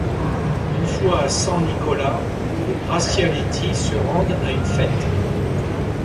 Une fois à San Nicola, les Braccialetti se rendent à une fête.